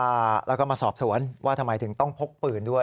แล้วก็มาสอบสวนว่าทำไมถึงต้องพกปืนด้วย